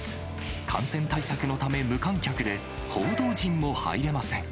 感染対策のため無観客で、報道陣も入れません。